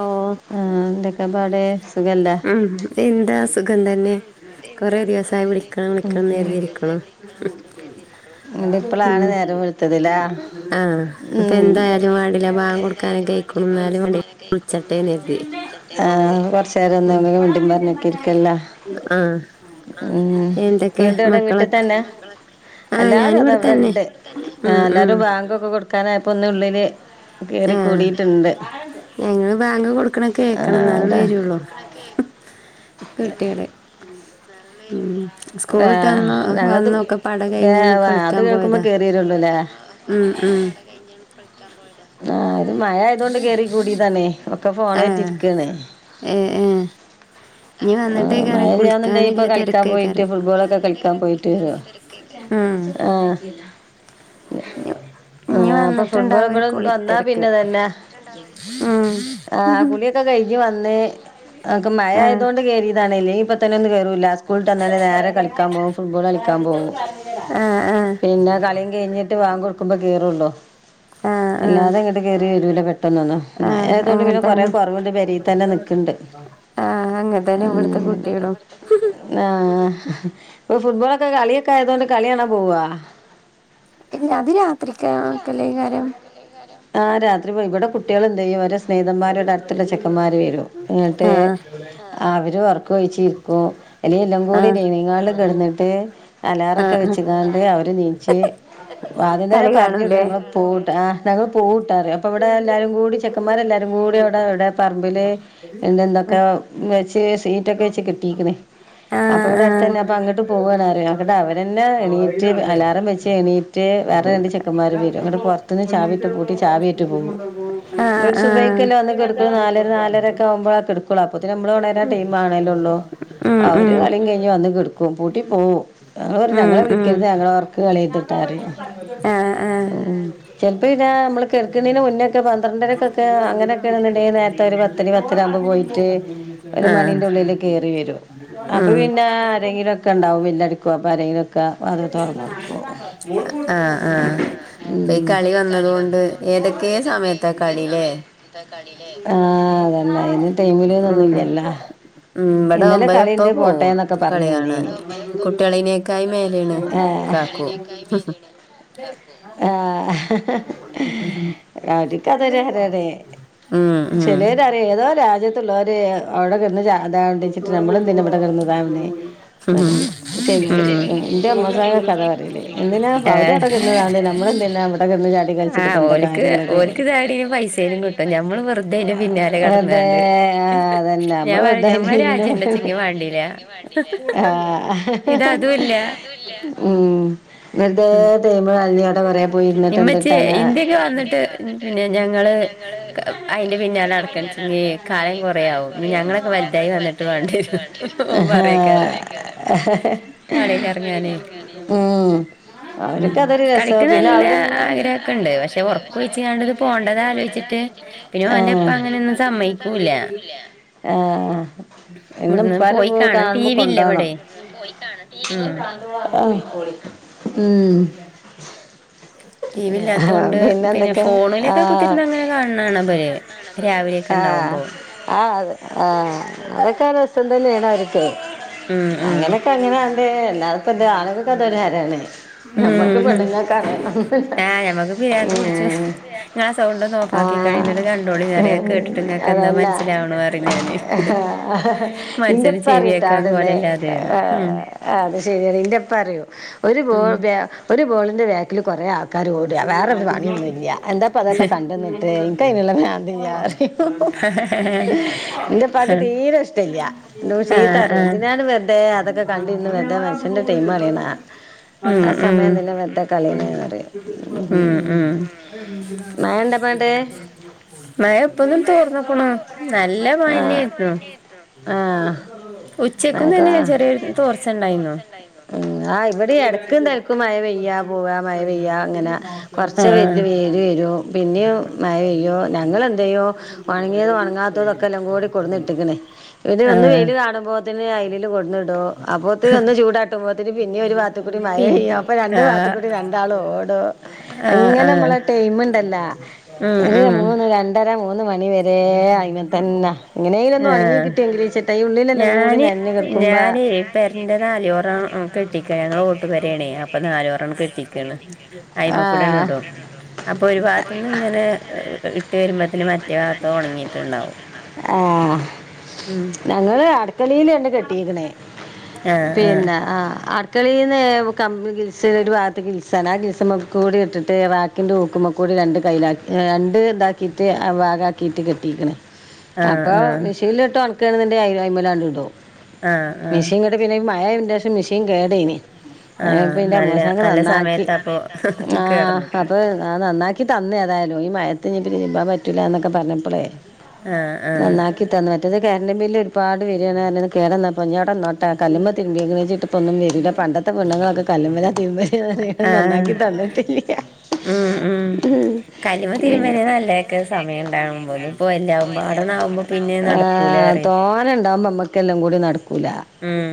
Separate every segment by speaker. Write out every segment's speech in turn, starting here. Speaker 1: ഓഹ്
Speaker 2: ആ എന്തൊക്കെ പാട് സുഖല്ലേ
Speaker 1: ഉം എന്താ സുഖം തന്നെ കൊറെ ദേവസായി വിളിക്കണം വിളിക്കണം
Speaker 2: ഉം
Speaker 1: എന്നരുതിരിക്ക്‌ണ്
Speaker 2: എന്നിട്ട്
Speaker 1: ഉം
Speaker 2: ഇപ്പളാണ് നേരം വെളുത്തതില്ലേ ഉം
Speaker 1: ആ്ഹ് അപ്പൊ
Speaker 2: ആഹ്
Speaker 1: എന്തായാലും വേണ്ടില ബാങ്കൊടുക്കാനൊക്കെ എണിക്കും ഇന്നാലും വേണ്ടി ചാട്ടെ എന്ന് കരുതി
Speaker 2: ആഹ് കൊറച്ച് നേരം ഒന്നും
Speaker 1: ആഹ്
Speaker 2: ആഹ്
Speaker 1: എന്തൊക്കെ
Speaker 2: ക്കേണ്ടവിടെ
Speaker 1: മക്കളൊക്കെ
Speaker 2: വീട്ടിതന്നെ
Speaker 1: ആഹ്
Speaker 2: എല്ലാരും
Speaker 1: ഞാനിവിടെ തന്നെ
Speaker 2: അതവിടെണ്ട്
Speaker 1: ഉം ഉം
Speaker 2: എല്ലാരും ബാങ്കൊക്കെകൊടുക്കാനായപ്പൊന്ന് ഉള്ളില്
Speaker 1: ആഹ്
Speaker 2: കേറിക്കൂടിയിട്ടുണ്ട്
Speaker 1: ഞങ്ങള് ബാങ്ക് കൊടുക്കണ കേകണം
Speaker 2: ആഹ് അവിടെ
Speaker 1: എന്നലെവരോള്ളൂ കുട്ടിയെട് ഉം ഉം സ്കൂള്ട്ട്
Speaker 2: ആഹ്
Speaker 1: വന്നു
Speaker 2: ഞങ്ങൾത്
Speaker 1: വന്നൊക്കെപാടെ കഴിഞ്ഞണ്ട്
Speaker 2: ഏഹ് അത്
Speaker 1: കളിക്കാൻ
Speaker 2: കേൾക്കുമ്പോ
Speaker 1: പോയതാ
Speaker 2: കേറി വരുള്ളൂല്ലേ
Speaker 1: ഉം ഉം
Speaker 2: ആഹ് അത് മഴയായതൊണ്ട് കേറി കൂടിതാണ്‌ ഒക്കെ ഫോണേറ്റ്
Speaker 1: ആഹ്
Speaker 2: ഇരിക്കാണ്
Speaker 1: ഏഹ് ഏഹ് ഇനി
Speaker 2: ആഹ
Speaker 1: വന്നിട്ടേക്കാരം
Speaker 2: മയല്ല്യാന്ന്ണ്ടെങ്കി ഇപ്പൊ
Speaker 1: കുളിക്കാനില്ല
Speaker 2: കളിക്കാൻ പോയിട്ട്
Speaker 1: തിരക്കേക്കാരം
Speaker 2: ഫുട്ബോളൊക്കെ കളിക്കാൻ പോയിട്ട് വരും
Speaker 1: ഉം
Speaker 2: ആഹ്
Speaker 1: ഇഞ് ഇഞ്
Speaker 2: ആഹ് അപ്പൊ ഫുട്ബോൾ
Speaker 1: വന്നിട്ടുണ്ടാവും ഒരു
Speaker 2: ഇവിട വന്നാ
Speaker 1: കുളിത്തിരക്ക്
Speaker 2: പിന്നെതന്നെ
Speaker 1: ഉം
Speaker 2: ക്കെകഴിഞ്ഞ് വന്ന് അതൊക്കെ
Speaker 1: ആഹ്
Speaker 2: മയായ്യതോണ്ട് കേറിയേതാണ് എല്ലെങ്കി ഇപ്പതന്നെ ഒന്നും കേറൂല്ല സ്കുള്ട്ടന്നാണ്ട് നേരെ കളിക്കാൻ പോവും ഫുട്ബോള് കളിക്കാൻ പോവും
Speaker 1: ആഹ് ആഹ്
Speaker 2: പിന്നെ കളീം കഴിഞ്ഞിട്ട് വാങ്ക് ക്ക്‌മ്പോ കേറൊള്ളു
Speaker 1: ആഹ് ആഹ്
Speaker 2: ക കേറി വരൂല പെട്ടന്നൊന്നും
Speaker 1: ആഹ്
Speaker 2: മയായതൊണ്ട് പിന്നെ കൊറെേ
Speaker 1: അങ്ങൻത്തന്നെ
Speaker 2: കുറവുണ്ട് പെരേ തന്നെ നിക്ണ്ട്
Speaker 1: ആഹ് അങ്ങനെ
Speaker 2: ഉം ആഹ് ഇപ്പൊ ഫുട്ബോളൊക്കെ കളിയൊക്കെ ആയതോണ്ട് കളികാണാൻ പോവോ
Speaker 1: ഇല്ല അത് രാത്രിക്ക്‌ ആക്കെല്ലയിക്കാരം
Speaker 2: ആഹ് രാത്രിപോയി ഇവിടെ കുട്ടിയെളെന്തയ്യും ഓരെ സ്നേഹിതന്മാര് ഇവിടെ അടുത്ത്ള്ള ചെക്കന്മാര് വരും ഇന്നിട്ട്
Speaker 1: ആഹ്
Speaker 2: അവര് ഒർക്കൊഴിച്ചിരിക്കും അല്ലെങ്കി എല്ലാം കൂടി
Speaker 1: ആഹ്
Speaker 2: ഡൈനിങ് ഹാളിൽ കെടന്നിട്ട് അലാറൊക്കെ
Speaker 1: ആഹ് ആഹ്
Speaker 2: വെച്ങ്ങാണ്ട് അവര് നീച് ആദ്യം തന്നെ
Speaker 1: കളി
Speaker 2: പറഞ്ഞിടും
Speaker 1: കാണൂലേ
Speaker 2: ഞങ്ങള് പോവുട്ടാ ഞങ്ങള് പോവൂട്ടറിയും അപ്പൊ ഇവിടെ എല്ലാരും കൂടി ചെക്കന്മാരെല്ലാരും കൂടി അവിടെ എവിടെ പറമ്പില് എന്ത്ന്തൊക്കെ വെച്ച് സീറ്റൊക്കെ വെച്ച് കെട്ടീക്ക്‌ണ് അപ്പ
Speaker 1: ആഹ് ആഹ്
Speaker 2: ഇവിടെടുത്തന്നെ അപ്പൊ അങ്ങട്ട് പോവാണറിയാ ഇന്നിട്ടവരെ ന്നെ എണീറ്റ് അലാറം വെച്ച് എണീറ്റ് വേറെ രണ്ട് ചെക്കന്മാര്
Speaker 1: അല്ല
Speaker 2: വരും ഇങ്ങട്
Speaker 1: ഇപ്പൊ
Speaker 2: പൊറ ത്ത്ന്ന് ചാവിട്ട് പൂട്ടി ചാവിയേറ്റ് പോവും
Speaker 1: ആഹ് ആഹ്
Speaker 2: ക്കല്ലെ വന്ന് കെട്ക്ക്‌ണ് നാലര നാലരൊക്കാവുമ്പളാ കെട്കൊള്ളൂ അപ്പോത്തിന് നമ്മള് ഒണരാൻ ടൈം ആണേലെള്ളു
Speaker 1: ഉം
Speaker 2: അവര്
Speaker 1: ഉം
Speaker 2: കളീം കയിഞ്ഞ് വന്ന് കെടക്കും പൂട്ടി പോവും ഞങ്ങള് പറയും
Speaker 1: ഉം
Speaker 2: ഞങ്ങളെ
Speaker 1: ഉം
Speaker 2: വിളിക്കരുത് ഞങ്ങളൊർക്ക്‌ കളയെര്ത്ട്ടാ പറിയും ആഹ ആഹ് ചെലപ്പിങ്ങനെ നമ്മള് കെട്ക്ക്‌ണേന് മുന്നെഒക്കെ പന്ത്രണ്ടരക്കൊക്കെ അങ്ങനെയൊക്കെയാണെന്നുണ്ടെങ്കിൽ നേരത്തെ ഒരു പത്തര പത്തരാകുമ്പോ പോയിട്ട്
Speaker 1: [unintelligible]
Speaker 2: ഒരു മണിന്റെ ഉള്ളിൽ കേറി വരും അപ്പൊ
Speaker 1: ഉം
Speaker 2: പിന്നെ ആരെങ്കിലൊക്കെണ്ടാവും വില്ലടിക്കും അപ്പൊ ആരെങ്കിലൊ ക്കെ വാതി തൊറന്നൊടുക്കും
Speaker 1: ആഹ് ആഹ് ഇപ്പൊ ഈ കളി വന്നതൊണ്ട് ഏതൊക്കെ സമയത്താ കളിയിലേ
Speaker 2: ആഹ് അതന്നെ അയിന്
Speaker 1: ഉം
Speaker 2: ടൈമില്ന്നൊന്നുല്ലല്ലോ
Speaker 1: ഉം ഇവിടെ
Speaker 2: ഇന്നലെ
Speaker 1: ഇബലെ ഇപ്പ
Speaker 2: കളിണ്ട്
Speaker 1: പോകും
Speaker 2: പോട്ടേന്നൊക്കെ പറഞ്ഞ്
Speaker 1: കളി
Speaker 2: ഇവിടെ
Speaker 1: കാണാന് കുട്ട്യാളെനീക്കാലി മേലെയാണ്
Speaker 2: ഏഹ്
Speaker 1: കാക്കു
Speaker 2: ആഹ് അവരിക്കതൊരു ഹരാണ്‌
Speaker 1: ഉം ഉം
Speaker 2: ചിലര് പറിയും ഏതോ രാജ്യത്തുള്ളോര് അവിടെ കിടന്ന് ചാ അതാവ്ണ്ടച്ചിട്ട് നമ്മളെന്തിനാ ഇവിടകെടന്ന് ഇതാവ്ണ് പറയും ചെലോര്
Speaker 1: ഉം
Speaker 2: ഇന്റെ അമ്മോസാക്കക്കെ അതാ പറയാ എന്തിനാ ഇപ്പൊ
Speaker 1: ഏഹ്
Speaker 2: അവരവടെ കിടന്നു ഇതാവ്ണേന് ഞമ്മളെന്തിനാ ഇവിടെ കെടന്ന് ചാടി കളിച്ചിട്ട്
Speaker 1: ആഹ്
Speaker 2: ഇപ്പെന്താ
Speaker 1: ഓല്ക്ക്
Speaker 2: കാര്യം ഇള്ളത്
Speaker 1: ഓല്ക്ക് താടിന് പൈസേനും കിട്ടും ഞമ്മള് വെറുതെ അയിന്റെ പിന്നാലെ
Speaker 2: വെറുതെ
Speaker 1: കടന്നാണ്ട്
Speaker 2: ആഹ് അതന്നെ
Speaker 1: ഞാൻ
Speaker 2: നമ്മള് വെറുത
Speaker 1: പറയും ഞമ്മളെ ഒരു
Speaker 2: അയിന്
Speaker 1: രാജ്യം ഇണ്ടച്ചെങ്കി വാണ്ടീല
Speaker 2: ആഹ്
Speaker 1: ഇത് അതുല്ല
Speaker 2: ഉം വെറുതേ ടൈം കളഞ്ഞിങ്ങാ
Speaker 1: ഇമ്മച്യേ ഇന്ത്യക്കെ വന്നിട്ട് പിന്നെ ഞങ്ങള് അയിന്റെ പിന്നാലെ നടക്കാൻചാ കാലം കൊറയാവും ഇനി ഞങ്ങളൊക്കെ വലുതായി വന്നിട്ട് വേണ്ടിയെരും ഓന് പറയക്കാരം കളിലെറങ്ങാനേ
Speaker 2: ഓർക്കതൊരു രസം പിന്നെ അവടെള്ള
Speaker 1: ആഗ്രഹൊക്കെണ്ട് പക്ഷെ
Speaker 2: അങ്ങനെക്കെണ്ടു പക്ഷ
Speaker 1: ഒറക്കൊഴിച്ച്ങ്ങാണ്ട് ഇത്
Speaker 2: ഒറക്കൊഴിച്ചിങ്ങാണ്ട് ത്
Speaker 1: പോണ്ടത് ആലോചിച്ചിട്ട്
Speaker 2: പൂണ്ടതലോയിച്ചിട്ട്
Speaker 1: പിന്നെ ഓന്റെ
Speaker 2: ആഹ്
Speaker 1: ഇപ്പ
Speaker 2: അവന്റെ പ്പ
Speaker 1: അങ്ങനെയൊന്നും
Speaker 2: അങ്ങനെന്നും
Speaker 1: സമ്മയിക്കൂല്ല
Speaker 2: സമ്മതിക്കൂല്ല ആഹ് എന്നും
Speaker 1: ഇവിടുന്ന്
Speaker 2: പരു
Speaker 1: പോയി
Speaker 2: പോ
Speaker 1: കാണാൻ ടി
Speaker 2: കാണുമ്പോ
Speaker 1: വി ഇല്ല
Speaker 2: കൊണ്ടാവണം
Speaker 1: ഇവിടെ
Speaker 2: ടിവി
Speaker 1: ഉം
Speaker 2: ല്ല വിടെ [unintelligible] ഉം
Speaker 1: ടി വി ഇല്ലാത്തോണ്ട് പിന്നെ
Speaker 2: പിന്നന്തൊക്കെ
Speaker 1: ഫോണിലൊക്കെ
Speaker 2: ആഹ്
Speaker 1: കുത്തിരുന്ന് അങ്ങനെ
Speaker 2: ഓൺലൈനൊക്കെ
Speaker 1: കാണണ കാണാ ഇബല്
Speaker 2: കിട്ടുണ്ട [unintelligible]
Speaker 1: രാവിലെയൊക്കെ
Speaker 2: ആഹ്
Speaker 1: ഇണ്ടാവുമ്പോ
Speaker 2: ആഹ് ആഹ് അതൊക്കെ രസം തന്നെയാണ് അവർക്ക്
Speaker 1: ഉം ഉം
Speaker 2: അങ്ങനൊക്കെ അങ്ങനെയണ്ട് എല്ല പ്പ എന്റെ ആളങ്കൊക്കെ അതൊഹരാണ്
Speaker 1: ഉം ഉം ആഹ് ഞമ്മക്ക് പിരിയാന്തിടിച്ചു
Speaker 2: വേറെ
Speaker 1: നിങ്ങള
Speaker 2: ആ
Speaker 1: സൗണ്ടഫക്കി കലിന്ന കണ്ടപൊളി നിറയ കേട്ടിട്ട് ട്ട് ങ്ങക്കെന്താ
Speaker 2: അതല്ല
Speaker 1: മനസിലാവണ് പറയും ഞാന്
Speaker 2: ഇന്റെ
Speaker 1: മനസൻ
Speaker 2: ഉപ്പ
Speaker 1: ചെവി
Speaker 2: അറിയട്ടോ
Speaker 1: കേക്കാൻ കോലല്ലാതെന്ന് ഉം
Speaker 2: അത് ശരിയ നന്റെപ്പറയും ഒരു
Speaker 1: ഉം
Speaker 2: ബോൾ ഒരു ബോളിൻ വേകിൽ കുറയാൾക്കാർ ള്ക്കാര് ഓട വേറെരു പണിയൊന്നുല്ല എന്താപ്പ അതൊക്കെ കണ്ടന്നട്ട ഇനകായിനുള്ള പ്രാന്തില്ലറയും ന്റെ പാക്ക് തീരെ ഇഷ്ടമല്ല ന്റെ പ ചീത
Speaker 1: ആഹ്
Speaker 2: പറിയോ
Speaker 1: ആഹ്
Speaker 2: എന്തിനാണ് വെറുതെ അതൊക്ക ഒക്കെ കണ്ടിറുന്ന് വെറുതെ മനുഷ്യൻ്റെ ടൈം കളിയണ
Speaker 1: ഉം
Speaker 2: ആഹ്
Speaker 1: ഉം
Speaker 2: സമയമന്തിനാ വെതെ കളിയണന്ന് പറയും
Speaker 1: ഉം ഉം
Speaker 2: മഴ ഉണ്ടപ്പണ്ട്
Speaker 1: മയ ഇപ്പോന് തോർന്നുക്കുന്നു നല്ല
Speaker 2: നല്ല
Speaker 1: മായന്നെയിന്
Speaker 2: മഴന്നെയായിരുന്നു ആഹ്
Speaker 1: ഉച്ചക്കുംന്ന് തന്നെ
Speaker 2: ഉച്ചക്ക്
Speaker 1: ചെറിയ തോർച്ച ണ്ടായിനു
Speaker 2: ഉം ആഹ് ഇവിടെ ഇടക്കുംതലയ്ക്കും മഴ പെയ്യ പോവാ മഴ പെയ്യ അങ്ങന കുറച്ച
Speaker 1: ആഹ്
Speaker 2: വല്യ വേല് വരും പിന്നെ മഴയ്യോ ഞങ്ങലെന്ത്ചെയ്യും ഒണങ്ങിയതും ഒണങ്ങാത്തതൊക്കെ എല്ലാം കൂടി കൊടുന്നിട്ടികനു ഇടെ ഒന്ന്
Speaker 1: ആഹ്
Speaker 2: വെയിൽ കാണുമ്പോതിന് അയ്ലിൽ കൊടുന്നിടു അപ്പോത്തിന് ഒന്ന് ചൂടാട്ടുമ്പോത്തിന് പിന്നെ ഒരു വാത്തക്കുട്ട
Speaker 1: പിൻ
Speaker 2: മഴയ്യും അപ്പോ രണ്ട്
Speaker 1: ആഹ്
Speaker 2: വാത്തുകുടി രണ്ടാളും ഓടും
Speaker 1: ആഹ് ആഹ്
Speaker 2: അനെമ്മളെ ടൈമുണ്ടല്ലോ
Speaker 1: ഉം ഉം
Speaker 2: ര മൂന്ന് മണിവ രെ അയിന തന്നെ ഇങ്ങനെയിലൊന്നും ഒണങ്ങി
Speaker 1: ആഹ്
Speaker 2: കിട്ടിയെങ്കിൽ ചേട്ട ഉള്ളിലെല്ലാം കൂടി നെഞ്ഞ കി
Speaker 1: ഞാൻ പെരൻ്റെ നാലോരം കെട്ടിക ഞങ്ങള ഓടിട്ട പെരയണേ അപ്പം അപ്പൊ നാലോറണം കെട്ടിക്കണ് അയിമക്കൂടണ്
Speaker 2: ആഹ്
Speaker 1: ഇടും അപ്പൊ ഒരു ഭാഗത്ത്ന്ന് ങ്ങനെ ഇട്ട് വരുമ്പോത്തന് മറ്റേ ഭാഗ ത്ത ഉണങ്ങിട്ടുണ്ടാവും ഉം
Speaker 2: ഞങ്ങള് അടക്കളൽ തന്നെ കെട്ടിക്കണ് പിന്നെ ആഹ് മക്കളീന്ന് [unintelligible] ഗിൽസ ഒരു ഭാഗത്ത് ഗിൽസാണ് ആഹ് ഗിൽസ കൂടി ഇട്ടിട്ട് റാക്കിൻ്റെ ഉക്കുമ്മകൂടി രണ്ട് കൈയിലാ ഏഹ് രണ്ട് ഇതാക്കിയിട്ട് ആഹ് വാഗാക്കിയിട്ട് കെട്ടിക്ക്ണ്.
Speaker 1: ആഹ്
Speaker 2: അപ്പൊ
Speaker 1: ആഹ്
Speaker 2: മഷീലിട്ടോ അണക്കണന്റെ അമലാണ്ട് ഇടോ
Speaker 1: ആഹ് ആഹ്
Speaker 2: മിഷീൻ കേട്ട പിന്നെ മഴ എന്റെം മെഷീൻ കേടായിന് [unintelligible]
Speaker 1: ആഹ്
Speaker 2: [unintelligible]
Speaker 1: നല്ല നല്ല
Speaker 2: നന്നാക്കി
Speaker 1: സമയത്താപ്പൊ
Speaker 2: ആഹ്
Speaker 1: കേടന്ന്ക്ക്ണ്
Speaker 2: അപ്പൊ ആഹ് നന്നാക്കി തന്നേഏതായാലും ഈ മയത്തിനി പി ഇരിമ്പാൻ പറ്റില്ല എന്നൊക്കെ പറഞ്ഞപ്പോളേ
Speaker 1: ആഹ് ആഹ്
Speaker 2: നന്നാക്കി തന്നു മറ്റത് കറന്റെ ബില് ഒരുപാട് വരിണ് കേടൽ പൊട നോട്ട കല്ലുമ്പ തിരുമ്പി അങ്ങണെച്ചിട്ടപ്പൊും വരിടെ പണ്ടത്തെെണ്ണങ്ങളൊക്കെ
Speaker 1: [unintelligible] അഹ് ആഹ്
Speaker 2: തന്നിട്ടില്ല
Speaker 1: ഉം ഉം കലമ തിരുമ്ന്നേ നല്ലതൊക്കെ സമയം ഉണ്ടാവുമ്പോഴക്കെ ഇപ്പ അല്ലാവുമ്പട ആവുമ്പോ പിന്നെ നടക്കൂലേ അറേ
Speaker 2: ഓന് ഉണ്ടാവുമ്പോ നമ്മക്കെല്ലാം കൂടി നടക്കും
Speaker 1: ഉം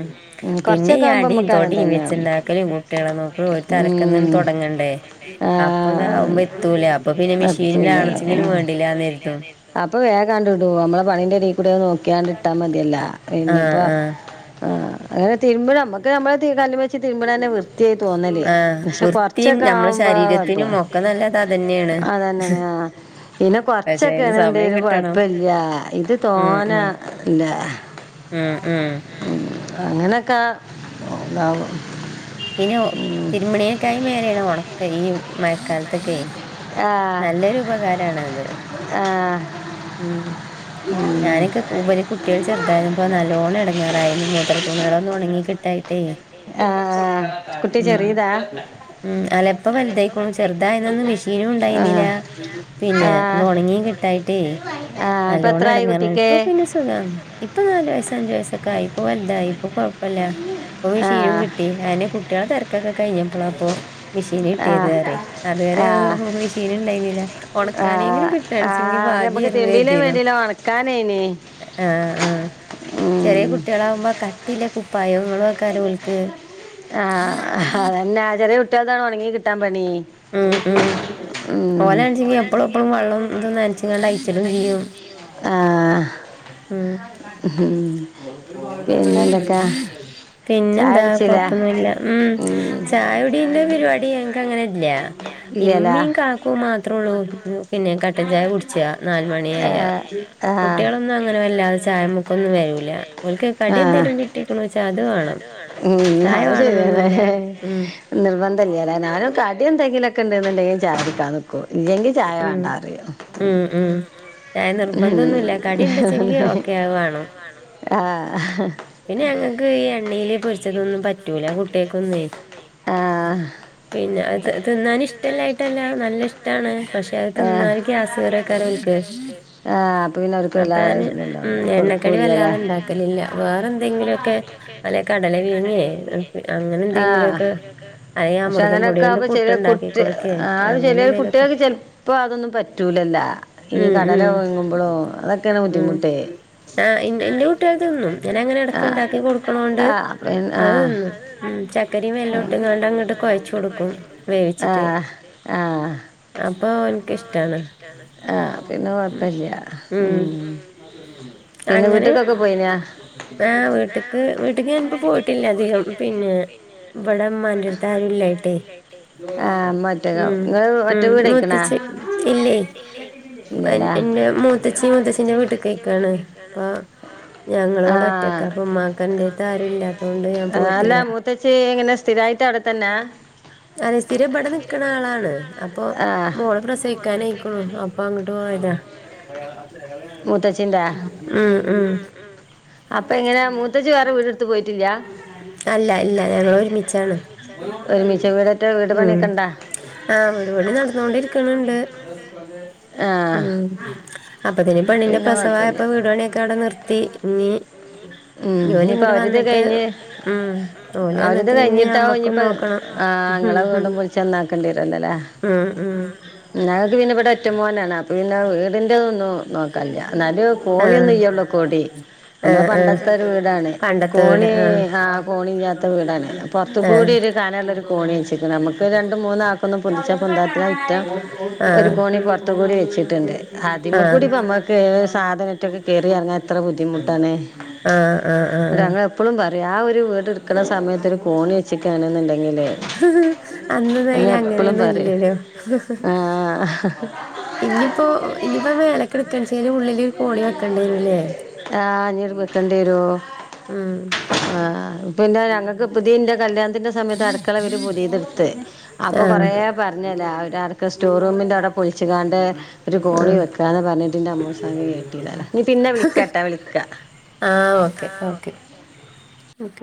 Speaker 1: പിന്നെ ഈ
Speaker 2: ആവുമ്പോ
Speaker 1: അടി
Speaker 2: നമ്മക്ക് അങ്ങനെ
Speaker 1: തൊടിയും വെച്ച്
Speaker 2: തന്നെയാണ്
Speaker 1: ഇണ്ടാ- ലും കുട്ടികളെ നോക്കലും ഒരു തലക്കന്നും തുടങ്ങണ്ടേ
Speaker 2: തുടങ്ങണ്ടേ
Speaker 1: അപ്പൊ ഇതാവുമ്പോ
Speaker 2: അതാവുമ്പോ
Speaker 1: എത്തൂലേ അപ്പൊ പിന്നെ
Speaker 2: എത്തൂല
Speaker 1: മെഷീനൽാണച്ചെങ്കിലും വേണ്ടില്ലാന്നായിരുതും
Speaker 2: അപ്പൊ വേഗാണ്ട് ഇട നമ്മളെ പണീന്റെ ഇടയിൽ കൂടെ നോക്കിയാണ്ട് ഇട്ടാ മതിയല്ല
Speaker 1: ആഹ്
Speaker 2: പിന്നെപ്പോ
Speaker 1: ആഹ്
Speaker 2: ആ്ഹ് തിരുമ്പണം നമുക്ക് നമ്മ കല് വെച്ച് തരും ഇവിടെന്നെ വൃത്തിയായി തോന്നല്
Speaker 1: ആഹ്
Speaker 2: പക്ഷെ
Speaker 1: വൃത്തിയും
Speaker 2: കൊറച്ചൊക്കെ
Speaker 1: നമ്മളെ
Speaker 2: ആവുമ്പോ
Speaker 1: ശരീരത്തിനും ഒക്കെ നല്ലത് അതന്നെയാണ്
Speaker 2: അതന്നെനെയ പിന്നെ
Speaker 1: പക്ഷെ
Speaker 2: കൊറച്ചൊക്കെയ
Speaker 1: അതിന് സമയം
Speaker 2: ആണെന്നണ്ടന്
Speaker 1: കിട്ടണം
Speaker 2: കൊഴപ്പല്ല ഇത്
Speaker 1: ഉം
Speaker 2: തോന്നെ
Speaker 1: ഉം
Speaker 2: ഇല്ല
Speaker 1: ഉം ഉം.
Speaker 2: അങ്ങനൊക്കെ താവും.
Speaker 1: പിന്നെ തിരുംമണിയൊക്ക ആയി മേലെയാണ് ഒണക്കയ് ഈ മയക്കാലത്തൊക്കെ.
Speaker 2: ആ
Speaker 1: നല്ലൊരു ഉപകാരണ അത്
Speaker 2: ആ
Speaker 1: ഉം
Speaker 2: ഉം.
Speaker 1: ഞാനൊക്കെ കൂബലി കുട്ടീള് ചെറുതായിരുന്നപ്പോ നല്ലോണം ഇടങ്ങാറായിരുന്നു മൂത്ര തുണീളൊന്നും ഉണങ്ങി കിട്ടായിട്ടേയ്.
Speaker 2: ആ കുട്ടി
Speaker 1: ഉം
Speaker 2: ചെറിയതാ
Speaker 1: ഉം അല്ലപ്പ വൽതായിക്ക്ണു ചെറുതായന്നന്ന് മിഷീനും
Speaker 2: ആ
Speaker 1: യിന്നിലാ
Speaker 2: ഉണ്ടായിരുന്നില്ല
Speaker 1: പിന്നെ ത്
Speaker 2: ആ
Speaker 1: ഒണങ്ങി കിട്ടായിട്ടേയ്
Speaker 2: ആ ഇപ്പം
Speaker 1: നല്ലോണം
Speaker 2: എത്രയായി
Speaker 1: എടങ്ങാറായ്
Speaker 2: കുട്ടിക്ക്
Speaker 1: ഇപ്പ പിന്നെ സുഖം ഇപ്പൊ നാല് വയസ്സ് അഞ്ചു വയസ്സോക്കേ ആയി ഇപ്പൊ വൽതായി ഇപ്പൊ കൊ കുഴപ്പല്ല, പ്പൊ
Speaker 2: ആ
Speaker 1: മിഷ്യിനും കിട്ടി അയന്നെ കുട്ടീളെ തെരക്കൊക്കെ കയിഞ്ഞപ്പള പ്പൊ മെഷീന്
Speaker 2: ആ
Speaker 1: കിട്ടീയത് പറയ് അതുവരെ
Speaker 2: ആ
Speaker 1: മെഷീന് ണ്ടായിന്നില്ല.
Speaker 2: ആ
Speaker 1: ഒണക്കാനെങ്കിലും
Speaker 2: ആ
Speaker 1: കിട്ടാൻചെൻങ്കി
Speaker 2: അത് നമുക്ക്
Speaker 1: ഭാഗ്യായേര്ന്നു
Speaker 2: തിരുമ്പിയിലേ
Speaker 1: കെര്തീന്നു.
Speaker 2: വേണ്ടിയില്ല ഉണക്കാനേനി
Speaker 1: ആഹ് ആഹ്.
Speaker 2: ഉം.
Speaker 1: ചെറിയേ കുട്ടീളാവുമ്പോ കട്ടില്ലെ കുപ്പായോങ്ങളു ആക്കാരം ഓൽക്ക്.
Speaker 2: ആഹ് അതന്നെ ചെറിയേ കുട്ടിയോൾതാണ് ഒണങ്ങി കിട്ടാൻ പണീ.
Speaker 1: ഉം ഉം ഓലാൻച്ചെങ്കി എപ്പള പ്പളും വള്ളം തും ന്നൻച്ങ്ങാണ്ട് അയ്ച്ചിടും ചെയ്യും.
Speaker 2: ആ
Speaker 1: ഉം
Speaker 2: ഉം. പിന്നെന്തൊക്കെയാ ചായ
Speaker 1: പിന്നെന്താ
Speaker 2: അടിച്ചില്ല
Speaker 1: കൊഴപ്പൊന്നുല്ല ഉം ചായ കു പിന്നെ പരിപാടി ഞങ്ങക്ക അങ്ങനെ ഇല്ല,
Speaker 2: ഇല്ലല്ലേ
Speaker 1: ഇമ്മയിം കാക്കും മാത്രള്ളൂ പിന്നെ കട്ടൻ ചായ കുടിച്ആ നാല് മണിയായാ
Speaker 2: ആ ആ
Speaker 1: കുട്ടീളൊന്നും അങ്ങനെ വല്ലാതെ ചായമ്മക്കൊന്നും വരൂല. ഓൽക്ക് കടി
Speaker 2: ആ
Speaker 1: എന്തേലും കിട്ടീക്ക്ണ്വച്ചാ അത് വാണം,
Speaker 2: വേണം
Speaker 1: ചായ വേണംന്നൊന്നുല്ല ഉം.
Speaker 2: നിർബന്ധല്ലിയലേ ഞാനും കടി എന്തെങ്കിലൊക്കെ ണ്ട് ന്നുണ്ടെങ്കി ചായ കുടിക്കാം നിക്കും ഇല്ലെങ്കി ചായ
Speaker 1: ഉം
Speaker 2: വേണ്ട അറിയും
Speaker 1: ഉം ഉം ചായ
Speaker 2: ഉം.
Speaker 1: നിർബന്ധൊന്നുല്ല കടി ണ്ടച്ചെങ്കി ഓക്കെ അയ് വാണം.
Speaker 2: ആഹ്.
Speaker 1: പിന്നെ ഞങ്ങക്ക് ഈ എണ്ണേല് പൊരിച്ചതൊന്നും പറ്റൂല കുട്ടീൾക്കൊന്നേയ്.
Speaker 2: ആഹ്.
Speaker 1: പിന്നെ അത് തിന്നാന് ഇഷ്ടല്ലായിട്ടല്ല നല്ല ഇഷ്ട്ടാണ്, പക്ഷെ അത്
Speaker 2: ആ.
Speaker 1: തിന്നാല് ഗ്യാസ് കേറാക്കാരം ഓൽക്ക്.
Speaker 2: ആ അപ്പൊ പിന്നെ അവർക്ക് എല്ലാ
Speaker 1: അപ്പോ ഞാന് ഉ
Speaker 2: ഇതുണ്ടാവില്ല കൊടുക്കൂല
Speaker 1: എണ്ണക്കടി
Speaker 2: അല്ലേ
Speaker 1: വല്ലാതെണ്ടാക്കലില്ല. വേറെ ന്തെങ്കിലോക്കെ അല്ലെ കടല പീങ്യേ അങ്ങനെ എന്തെങ്കിലുക്കെ അറിയ മൃതം പൊടി
Speaker 2: ക ചെലേ കുട്ടി
Speaker 1: കൊടുക്കേ
Speaker 2: ആഹ്
Speaker 1: അങ്ങനെ
Speaker 2: ചെലേ
Speaker 1: എന്തേലൊക്കെ
Speaker 2: കുട്ടീൾക്ക് ചെൽപ്പോ അതൊന്നും പറ്റൂലല്ല. ഈ
Speaker 1: ഉം
Speaker 2: കടല ഒഴുങ്ങുമ്പോഴും അതൊക്കെയാണ്
Speaker 1: ഉ
Speaker 2: ബുദ്ധിമുട്ട്
Speaker 1: ഉ ആ ന്റെ ന്റെ കൂട്ടീൾ തിന്നും. ഇങ്ങനെ അങ്ങനെ എടക്ക് ണ്ടാക്കി കൊടുക്കണോണ്ട്
Speaker 2: ആഹ് ആഹ്
Speaker 1: അയ് തിന്നും ഉം ചക്കരിം
Speaker 2: അപ്പ ആഹ്
Speaker 1: വെല്ലോട്ട്ങ്ങാണ്ട് അങ്ങട്ട് കൊയച്ചു
Speaker 2: ആഹ് ആഹ്.
Speaker 1: അപ്പൊ ഇൻക്കിഷ്ടാണ്
Speaker 2: ആഹ് പിന്നെ കൊഴപ്പല്ല
Speaker 1: ഉം.
Speaker 2: പിന്നെ
Speaker 1: അങ്ങനെ
Speaker 2: വീട്ട്ക്കൊക്കെ പോയിനാ
Speaker 1: ആഹ് വീട്ട്ക്ക് വീട്ടിക്ക് ഞാനി പ്പ പോയിട്ടില്ല അധികം പിന്നേ വടെ മ്മാന്റെ അടു ആരുല്ലായിട്ടെയ്
Speaker 2: ആഹ് ഇമ്മ ഒറ്റക്കാവും
Speaker 1: ഉം
Speaker 2: ഇങ്ങള് ഒറ്റ
Speaker 1: ഉം
Speaker 2: വീടയ്ക്ക്ണാ
Speaker 1: മൂത്തച്ചി ഇല്ലേയ്.
Speaker 2: ഇല്ലലേ
Speaker 1: എന്റെ മൂത്തച്ചി മൂത്തച്ചിന്റെ വീട്ടിക്കയ്ക്കാണ് അ ഞങ്ങളിവടെ ഒറ്റയ്ക്കാ അപ്പൊ മ്മാക്കന്റെര്ത്ത് ആരും ഇല്ലാ
Speaker 2: ആഹ് അല്ല മൂത്തച്ചി എങ്ങനെ സ്ഥിരായിട്ട് അവിടത്തന്നാ?
Speaker 1: അതെ സ്ഥിരം ഇബടെ നിക്കണ ആളാണ് അപ്പൊ
Speaker 2: ആഹ്
Speaker 1: മോള് പ്രസവി ക്കാനയിക്ണു അപ്പൊ അങ്ങട്ട് പോയതാ.
Speaker 2: മൂത്തച്ചിന്റാ
Speaker 1: ഉം ഉം.
Speaker 2: അപ്പൊ എങ്ങനെ മൂത്തച്ഛി വേറെ വീടെടുത്ത് പോയിട്ടില്ല
Speaker 1: അല്ല ല്ല ഞങ്ങൾ ഒരുമിച്ചാണ്.
Speaker 2: ഒരുമിച്ച് വീടറ്റോ വീട് പണിയക്കണ്ടാ?
Speaker 1: ആഹ്, വീട് പണി നടന്നൊണ്ടിരിക്ണ് ണ്ട്
Speaker 2: ആ
Speaker 1: ഉം. അപ്പത്തിന് പെണ്ണിന്റ
Speaker 2: പിന്നെ കുഴപ്പമില്ല
Speaker 1: പ്രസവായപ്പ വീട് പണിയൊക്കെ അവടെ നിർത്തി. ഇനി
Speaker 2: ഉം
Speaker 1: ഓല്
Speaker 2: ഇനിപ്പ
Speaker 1: ഇങ്ങോട്ട്
Speaker 2: അവരിത്
Speaker 1: വന്നിട്ട്
Speaker 2: കഴിഞ്ഞ്
Speaker 1: ഉം ഓല്
Speaker 2: അവരിത്
Speaker 1: വന്നിട്ട് പിന്നെ
Speaker 2: കഴിഞ്ഞിട്ടാ
Speaker 1: ഞമ്മക്കും
Speaker 2: ഇനീപ്പ
Speaker 1: നോക്കണം
Speaker 2: ആഹ് അങ്ങളെ വീടും പൊളിച്ചു നന്നാക്കണ്ടി വരുവല്ലല്ലേ
Speaker 1: മം മം
Speaker 2: ഞങ്ങക്ക് പിന്നെ ഇവിടെ ഒറ്റ മോനാണ് അപ്പ പിന്ന വീടിന്റതൊന്നും നോക്കല്ല എന്നാല്
Speaker 1: ആ
Speaker 2: കോണിയൊന്നും ഇയ്യള്ളൂ കോടി
Speaker 1: ആ
Speaker 2: നമ്മെ
Speaker 1: ആ
Speaker 2: പണ്ടത്തെ ഒരു വീടാണ്
Speaker 1: പണ്ടത്തെ വീട്
Speaker 2: കോണി
Speaker 1: ആ
Speaker 2: ആഹ് കോണിയില്ലാ ത്ത വീടാണ് പൊർത്ത്
Speaker 1: ആ
Speaker 2: കൂടി ഒരു [unintelligible] ഒരു കോണിച്ച ഇപ്പ നമുക്ക് രണ്ട് മൂന്നാ ക്കൊന്നും പൊന്തിച്ചാൽ പൊന്താത്ത ഐറ്റം ഒരു കോണി പൊറത്ത് കൂടി വെച്ചിട്ടുണ്ട്
Speaker 1: ആഹ്
Speaker 2: നമ്മക്ക് സാധനത്തിക്കെ കേറി എറങ്ങാൻ എത്ര ബുദ്ധിമുട്ടാണ്
Speaker 1: ആഹ് ആഹ് ആഹ്
Speaker 2: ഞങ്ങ എപ്പഴും പറയും ആ ഒരു വീട് എടുക്കണ സമയത്ത് ഒരു കോണി വെച്ചിട്ടാണെന്നുണ്ടെങ്കിലേ
Speaker 1: അന്ന് അയിന് അങ്ങനെയൊന്നും ഇല്ലല്ലോ
Speaker 2: ആ
Speaker 1: ഇനിയിപ്പോ ഇനിയിപ്പോ മേലക്കെ എടുക്കാച്ചാല് ഉള്ളില് ഒരു കോണി വെക്കേണ്ടി വരുംല്ലേ
Speaker 2: ആഹ് ഇത് അത് വെക്കണ്ടി വരോ
Speaker 1: ഉം
Speaker 2: ആഹ് പിന്ന ഞങ്ങൾക്ക് പുതിയതിൻ്റെ കല്യാണത്തിൻ്റെ സമയത്ത് അടുക്കള ഒരു പുതിയതെടുത്ത് അപ്പൊ
Speaker 1: ആഹ്
Speaker 2: കൊറേ പറഞ്ഞല്ലേ അവര് അർക്ക് സ്റ്റോർ റൂമിന്റെ അവിടെ പൊളിച്ച് കാണ്ട് ഒരു കോണി
Speaker 1: ആഹ്
Speaker 2: വെക്കാന്ന് പറഞ്ഞിട്ടിന്റെ അമ്മൂസാമി കേട്ടില്ലല്ലാ ഇനീ പിന്ന വിളിക്കാട്ടാ വിളിക്കാ
Speaker 1: ആഹ് ഓക്കെ ഓക്കെ